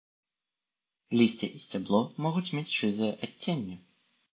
Лісце і сцябло могуць мець шызае адценне.